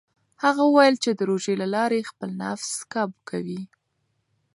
هغه وویل چې د روژې له لارې خپل نفس کابو کوي.